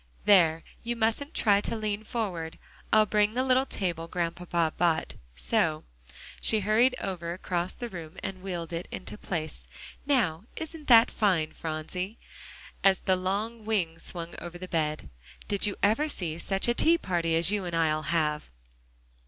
"There, you mustn't try to lean forward. I'll bring the little table Grandpapa bought, so;" she hurried over across the room and wheeled it into place. "Now isn't that fine, Phronsie?" as the long wing swung over the bed. "Did you ever see such a tea party as you and I'll have?"